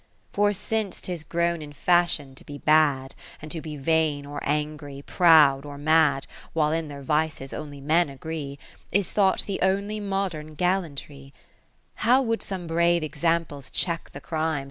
For since 'tis grown in fashion to be bad, And to be vain or angry, proud or mad, (While in their vices only men agree) Is thought the only modern gallantry; How would some brave examples check the crimes.